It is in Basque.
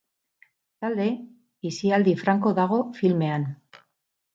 Bestalde, isilaldi franko dago filmean.